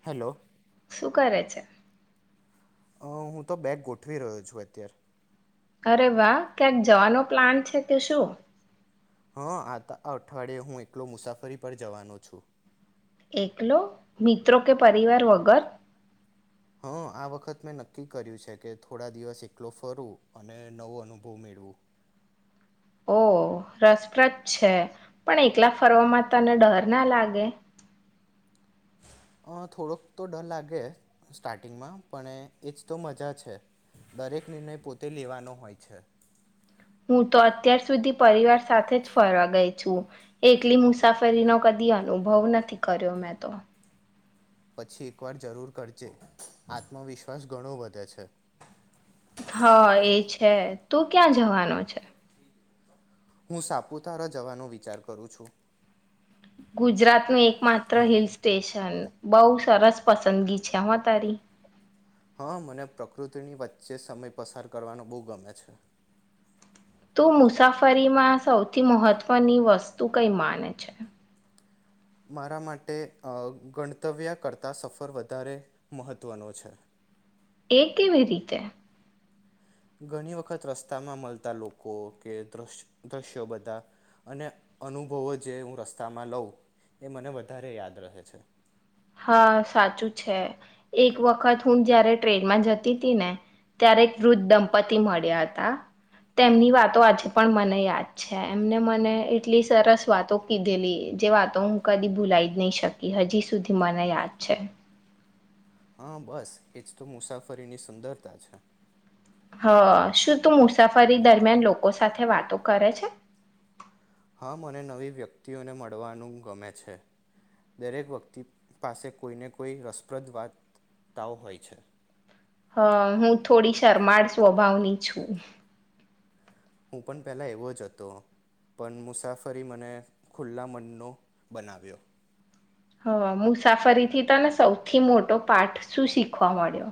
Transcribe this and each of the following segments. Hello. શું કરે છે? અ હું તો બેગ ગોઠવી રહ્યો છું અત્યારે. અરે વાહ ક્યાંક જવાનો પ્લાન છે કે શું? હા આ અઠવાડિયે હું એકલો મુસાફરી પર જવાનો છું. એકલો મિત્રો કે પરિવાર વગર? હા આ વખત મેં નક્કી કર્યું છે કે થોડા દિવસ એકલો ફરું, અને નવો અનુભવ મેળવું. ઓ રસપ્રદ છે. પણ એકલા ફરવામાં તને ડર ના લાગે. અ થોડોક તો ડર લાગે સ્ટાર્ટિંગમાં. પણ એજ તો મજા છે. દરેક નિર્ણય પોતે લેવાનો હોય છે. હું તો અત્યાર સુધી પરિવાર સાથે જ ફરવા ગઈ છું. એકલી મુસાફરીનો કદી અનુભવ નથી કર્યો મેં તો. પછી એક વાર જરૂર કરજે. આત્મવિશ્વાસ ઘણો વધે છે. હા એ છે. તું ક્યાં જવાનું છે? હું સાપુતારા જવાનો વિચાર કરું છું. ગુજરાત ની માત્ર હિલ સ્ટેશન. તન બહુ સરસ પસંદગી છે હમાં તારી. હા મને પ્રકૃતિની વચ્ચે સમય પસાર કરવાનો બહુ ગમે છે. તો મુસાફરીમાં સૌથી મહત્વની વસ્તુ કઈ માને છે? મારા માટે અ ગણતવ્યા કરતાં સફર વધારે મહત્ત્વનો છે. એ કેવી રીતે? ઘણી વખત રસ્તામાં મળતા લોકો કે. દ્વશ દ્રશ્યો બધા અને અનુભવો જે હું રસ્તામાં લઉં, એ મને વધારે યાદ રહે છે. હા સાચું છે. એક વખત હું જયારે ટ્રેનમાં જતી તી ને, ત્યારે વૃદ્ધ દંપતી મળ્યા હતા તેમની વાતો આજે પણ મને યાદ છે. એમને મને એટલી સરસ વાતો કીધેલી જે વાતો હું કદી ભૂલાઈ જ નહી શકી હજી સુધી. મને યાદ છે. હા બસ એજ તો મુસાફરીની સુંદરતા છે. હ શું તું મુસાફરી દરમિયાન લોકો સાથે વાતો કરે છે? હા મને નવી વ્યક્તિઓને મળવાનું ગમે છે. દરેક વ્યક્તિ પાસે કોઈને કોઈ રસપ્રદ વાતાઓ હોય છે. હ હું થોડી શર્માળ સ્વભાવની છું. હું પણ પહેલાં એવો જ હતો. પણ મુસાફરી મને ખુલ્લા મનનો બનાવ્યો. હ મુસાફરીથી, તને સૌથી મોટો પાઠ શું શીખવા મળ્યો?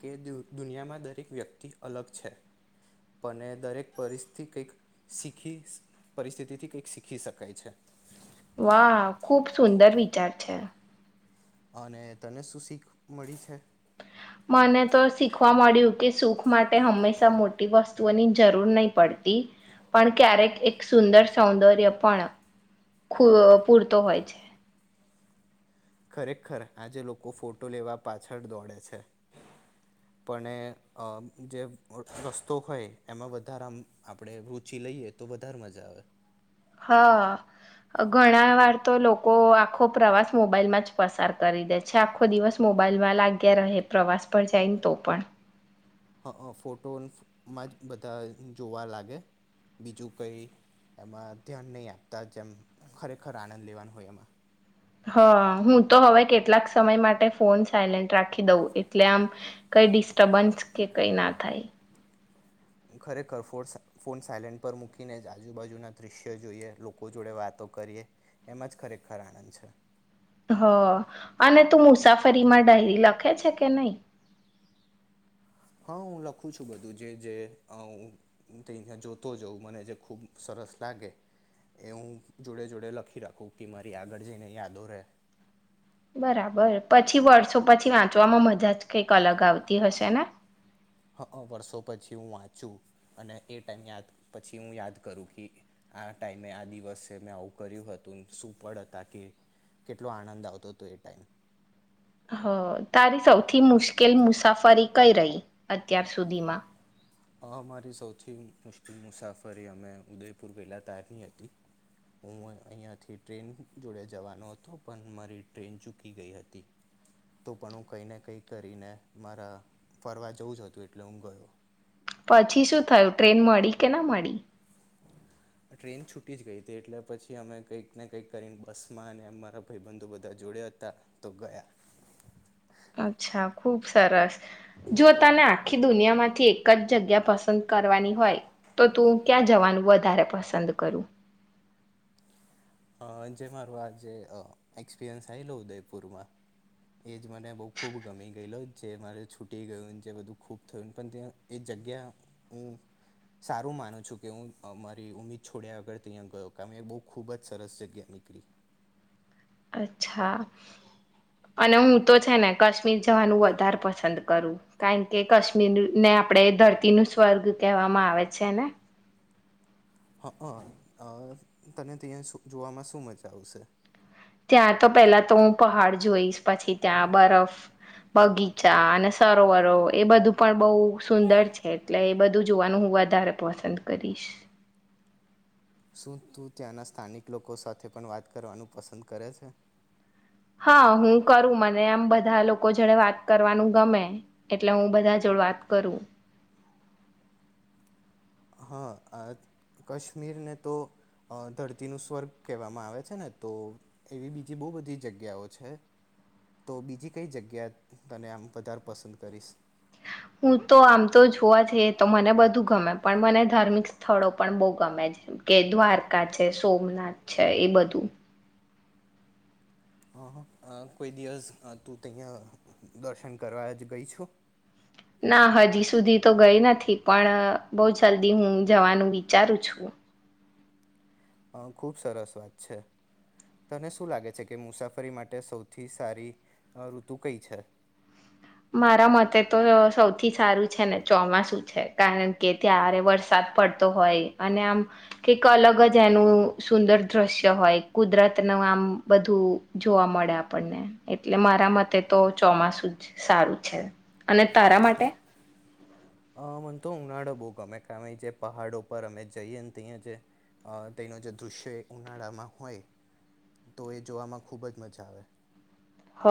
કે દુ દુનિયામાં દરેક વ્યક્તિ અલગ છે. પને દરેક પરિસ્થિ કઈક શીખી પરિસ્થિતિથી કંઈક શીખી શકાય છે. વાહ ખુબ સુંદર વિચાર છે. અને તને શું શીખ મળી છે? મને તો શીખવા મળ્યું કે સુખ માટે હંમેશા મોટી વસ્તુઓની જરૂર નહી પડતી પણ ક્યારેક એક સુંદર સૌંદર્ય પણ ખૂબ પૂરતો હોય છે ખરેખર આજે લોકો ફોટો લેવા પાછળ દોડે છે પણેઅ જેમ રસ્તો હોય એમાં વધારે આપણેે રુચિ લઈએ તો વધારે મજા આવે હા ઘણા વાર તો લોકો આખો પ્રવાસ મોબાઈલમાં જ પસાર કરી દે છે આખો દિવસ મોબાઈલમાં લાગ્યા રહે પ્રવાસ પર જાય ને તો પણ હ અ ફોટોઅનફુમાં જ બધા જોવા લાગે બીજું કઈ એમાં ધ્યાન નહી આપતા જેમ ખરેખર આનંદ લેવાનો હોય એમાં હા હું તો હવે કેટલાક સમય માટે ફોન સાયલેન્ટ રાખી દઉં એટલે આમ કઈ ડિસ્ટર્બન્સ કે કઈ ના થાય ખરેખર ફોષ ફોન સાયલેન્ટ પર મૂકીને આજુબાજુના દ્રશ્યો જોઈએ લોકો જોડે વાતો કરીએ એમાં જ ખરેખર આનંદ છે હ અને તું મુસાફરીમાં ડાયરી લખે છે કે નહી હા હું લખું છું બધું જે જે હા હુ ત ત્યાં જોતો જાઉં મને જે ખૂબ સરસ લાગે એ હું જોડે જોડે લખી રાખું કે મારી આગળ જઈને યાદો રહેે બરાબર પછી વર્ષો પછી વાંચવામાં મજા જ કઈક અલગ આવતી હશે ને હ વર્ષો પછી હું વાંચું અને એ ટાઈમ યાદ પછી હું યાદ કરું કે આ ટાઈમે આ દિવસે મેં આવું કર્યું હતું સુુંપળ હતા કે કેટલો આનંદ આવતો હતો એ ટાઈમ હ તારી સૌથી મુશ્કેલ મુસાફરી કઈ રહી અત્યાર સુધીમાં હ અમારી સૌથી મુશ્કેલ મુસાફરી અમે ઉદયપુર ગહેલા તારની હતી હું અહીિયાયાથી ટ્રેન જોડે જવાનો હતો પણ મારી ટ્રેન ચૂકી ગઈ હતી તો પણ હું કંઈને કંઈ કરીને મારા ફરવા જવું જ હતું એટલે હું ગયો પછી શું થયું ટ્રેન મળી કે ના મળી? ટ્રેન છૂટી જ ગઈ હતી એટલે પછી અમે કંઈક ને કઈક કરીને બસમાં અને મારા ભાઈબંધુ બધા જોડયા હતા તો ગયા અચ્છા ખુબ સરસ જો તને આખી દુનિયામાંથી એક જ જગ્યા પસંદ કરવાની હોય તો તું ક્યાં જવાનું વધારે પસંદ કરું અ જે મારોું આ જે એક્સપિરિયન્સ આવેલો ઉદયપુરમાં એ જ મને બહુ ખૂબ ગમી ગયેલો જે મારે છૂટી ગયું જે બધું ખૂબ થયું પણ ત્યાં એ જગ્યા હું સારું માનું છું કે હું મારી ઉમીદ છોડ્યા વગર ત્યાં ગયો કેમે એ બહુ ખૂબ જ સરસ જગ્યા નીકળ અચ્છા અને હું તો છે ને કાશ્મીર જવાનું વધારે પસંદ કરું કારણ કે કાશ્મીરને આપણે ધરતી ન સ્વર્ગ કહેવામાં આવે છે ને હ હ તને ત્યાં જોવામાં શું મજા આવશે, ત્યાં તો પેલા તો હું પહાડ જોઈશ પછી ત્યાં બરફ બગીચા અને સરોવરો એ બધું પણ બહુ સુંદર છે, એટલે એ બધું જોવાનું હું વધારે પસંદ કરીશ શું તું ત્યાંના સ્થાનિક લોકો સાથે પણ વાત કરવાનું પસંદ કરે છે? હા હું કરું મને આમ બધા લોકો જોડે વાત કરવાનું ગમે એટલે હું બધા જોડે વાત કરું હા કાશ્મીરને તો ધરતીનું સ્વર્ગ કહેવામાં આવે છે ને તો એવી બીજી બહુ બધી જગ્યાઓ છે તો બીજી કઈ જગ્યા તને આમ વધારે પસંદ કરીશ? હું તો આમ તો જોવા જઈએ તો મને બધું ગમે પણ મને ધાર્મિક સ્થળો પણ બહુ ગમે જેમ કે દ્વારકા છે સોમનાથ છે એ બધું હ કોઈ દિવસ તું તંયા દર્શન કરવા જ ગઈ છું ના હજી સુધી તો ગઈ નથી પણ બહ જલ્દી હું જવાનું વિચારું છું અ ખુબ સરસ વાત છે તને શું લાગે છે કે મુસાફરી માટે સૌથી સારી ઋતુ કઈ છે? મારા મતે તો સૌથી સારું છે ને ચોમાસું છે કારણ કે ત્યારે વરસાદ પડતો હોય અને આમ કઈક અલગ જ એનું સુંદર દ્રશ્ય હોય કુદરત ન આમ બધું જોવા મળે આપણને એટલે મારા મતે તો ચોમાસું જ સારું છે અને તારા માટે અ મને તો ઉનાળો બહુ ગમે કે અમે જે પહાડો પર અમે જઈએ ને ત્યાં જે તેનો જે દૃશ્ય ઉનાળામાં હોય તો એ જોવામાં ખુબ જ મજા આવે હ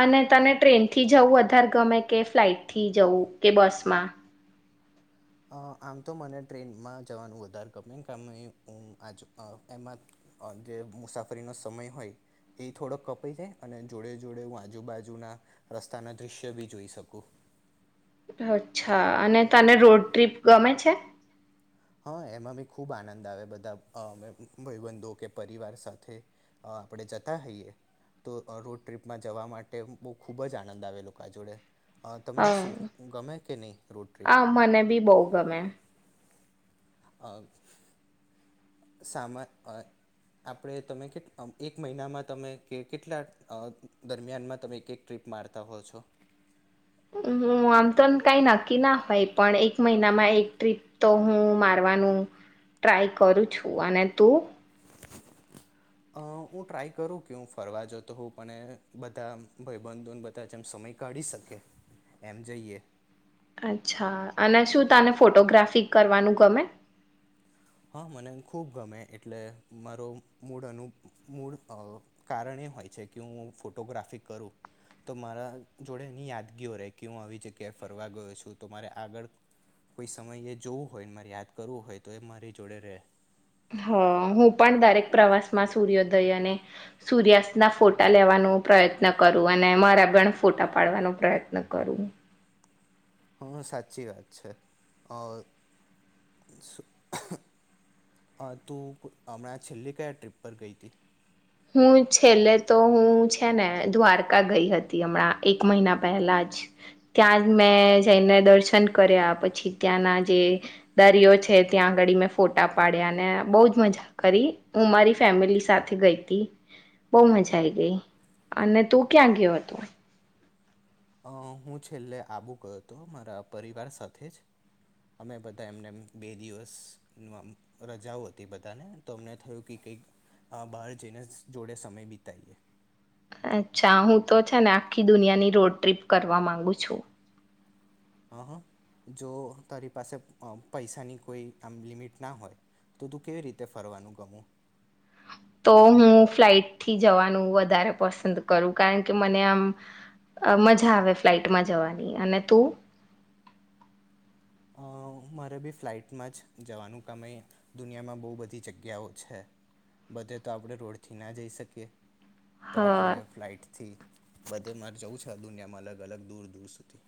અને તને ટ્રેનથી જવું અધાર ગમે કે ફ્લાઇટ થી જવું કે બસમાં અ આમ તો મને ટ્રેનમાં જવાનું વધારે કપાય કાર હું આજ એમાં જે મુસાફરીનો સમય હોય એ થોડોક કપાઈ છેાય અને જોડે જોડે હું આજુબાજુના રસ્તાના દ્રશ્ય બી જોઈ શકું અચ્છા અને તને રોડ ટ્રીપ ગમે છે? હા એમાં બી ખૂબ આનંદ આવે બધા ભાઈબંધો કે પરિવાર સાથે આપણે જતા હોઈએ તો રોડ ટ્રીપમાં જવા માટે બહુ ખૂબ જ આનંદ આવે લોકો જોડે અ હ તમને શું ગમે કે નહીં રોડ ટ્રીપ આ મને બી બહુ ગમે સામા આપણે તમે કે એક મહિનામાં તમે કે કેટલા દરમિયાનમાં તમે એક એક ટ્રીપ મારતા હો છો? હ આમ તો કઈ નક્કી ના હોય પણ એક મહિનામાં એક ટ્રીપ તો હું મારવાનું ટ્રાય કરું છું અને તું અ હું ટ્રાય કરું કે હું ફરવા જાો તો હું પણ બધા ભાઈબંધોને બધા જેમ સમય કાઢી શકે એમ જઈએ અચ્છા અને શું તાને ફોટોગ્રાફી કરવાનું ગમે? હા મને ખૂબ ગમે એટલે મારો મૂળ અનુ મૂળ કારણ એ હોય છે, કે હું ફોટોગ્રાફી કરું તો મારા જોડે એની યાદગીઓ રહે કે હું આવી જગ્યાએ ફરવા ગયો છું, તો મારે આગળ કોઈ સમયે જોવું હોય મારે યાદ કરવું હોય તો એ મારે જુડે રહે હ હું પણ દરેક પ્રવાસ માં સૂર્યોદય અને સૂર્યાસ્ત ના ફોટા લેવાનો પ્રયત્ન કરું અને મારા પણ ફોટા પાડવાનો પ્રયત્ન કરું. હા સાચી વાત છે તું હમણાં છેલ્લી કયા ટ્રીપ પર ગઈ હતી હું છેલ્લે તો હું છે ને દ્વારકા ગઈ હતી હમણાં એક મહિના પહેલા જ ત્યાં જ મેં જઈને દર્શન કર્યા પછી ત્યાંના જે દરિયો છે ત્યાં આગળ મેં ફોટા પાડ્યા ને બહ જ મજા કરી હું મારી ફેમિલી સાથે ગઈ બહ મજા આઈ ગઈ અને તું ક્યાં ગયો હતોું? અ હું છેલ્લે આબુ ગયો હતો મારા પરિવાર સાથે જ અમે બધા એમને બે દિવસ રજાઓ હતી બધાને તો અમને થયું કે કઈક બહાર જઈને જોડે સમય બિતાઈએ અચ્છા હું તો છે ને આખી દુનિયાની રોડ ટ્રીપ કરવા માંગુ છું. હ હ જો તારી પાસે પૈસાની કોઈ આમ લિમિટ ના હોય તો તું કેવી રીતે ફરવાનું ગમું તો હું ફ્લાઈટથી જવાનું વધારે પસંદ કરું કારણ કે મને આમ મજા આવે ફ્લાઈટમાં જવાની અને તું મારે બી ફ્લાઇટમાં જ જવાનું કમેય દુનિયામાં બહુ બધી જગ્યાઓ છે બધે તો આપણે રોડથી ના જઈ શકીએ તો હા આપણેે ફ્લાઈટ થી બધે મારે જવું છે આ દુનિયામાં અલગ અલગ દૂર દૂર સુધી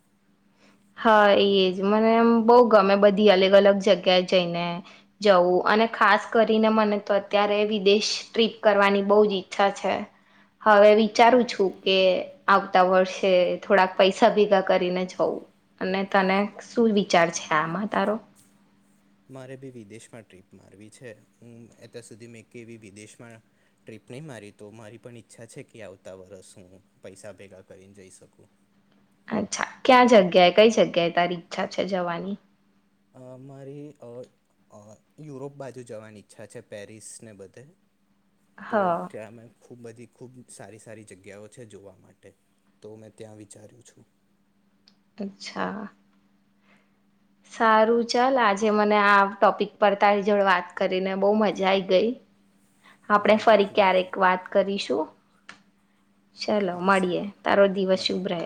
હા એ જ મને એમ બહુ ગમે બધી અલગ અલગ જગ્યાએ જઈને જવું અને ખાસ કરીને મને તો અત્યારે વિદેશ ટ્રીપ કરવાની બહ જ ઈચ્છા છે હવે વિચારું છું કે આવતા વર્ષે થોડાક પૈસા ભેગા કરીને જવું અને તને શું વિચાર છે આમાં તારો મારે બી વિદેશમાં ટ્રીપ મારવી છે, હું અત્યાર સુધી મેં કેવી વિદેશમાં ટ્રીપ નહીં મારી તો મારી પણ ઈચ્છા છે કે આવતા વરસ હું પૈસા ભેગા કરીને જઈ શકું અચ્છા ક્યા જગ્યાએ કઈ જગ્યાએ તારી ઈચ્છા છે જવાની અ મારી અ યુરોપ બાજુ જવાની ઈચ્છા છે પેરિસ ને બધે હ તો ક્યામે ખૂબ બધી ખૂબ સારી સારી જગ્યાઓ છે જોવા માટે તો મેં ત્યાં વિચાર્યું છું. અચ્છા. સારું ચાલ આજે મને આ ટોપિક પર તારી જોડ વાત કરી કરીને બહુ મજા આઈ ગઈ. આપણે મને બી ફરી ખૂબ મજા ક્યારેક આવી વાત કરીશું. ચાલો હા મળીએે સારું તારો દિવસ મળીએ શુભ રહે.